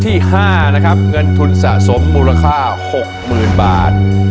ที่ห้านะครับเงินทุนสะสมมูลค่าหกหมื่นบาท